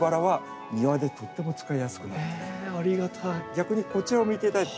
逆にこちらを見ていただいて。